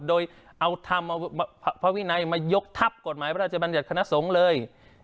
โดยเอาธรรมพระวินัยมายกทัพกฎหมายพระราชบัญญัติคณะสงฆ์เลย